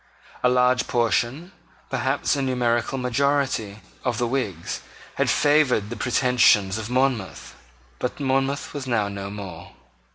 A large portion, perhaps a numerical majority, of the Whigs had favoured the pretensions of Monmouth: but Monmouth was now no more.